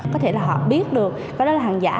có thể là họ biết được và đó là hàng giả